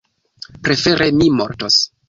Prefere mi mortos!